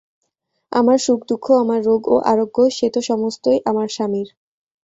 আমার সুখদুঃখ, আমার রোগ ও আরোগ্য, সে তো সমস্তই আমার স্বামীর।